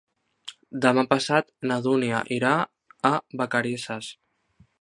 Demà passat na Dúnia irà a Vacarisses.